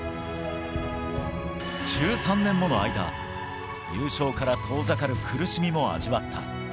１３年もの間、優勝から遠ざかる苦しみも味わった。